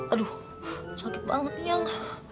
aduh sakit banget yang